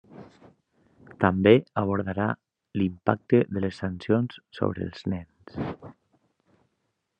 També abordarà l'impacte de les sancions sobre els nens.